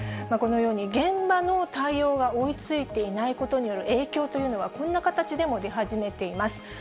このように現場の対応が追いついていないことによる影響というのは、こんな形でも出始めています。